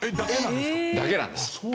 だけなんですか？